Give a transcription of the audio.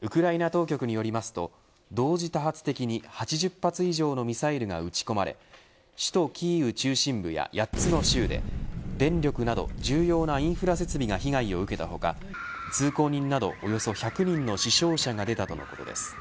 ウクライナ当局によりますと同時多発的に８０発以上のミサイルが撃ち込まれ首都キーウ中心部や８つの州で電力など重要なインフラ設備が被害を受けた他、通行人などおよそ１００人の死傷者が出たとのことです。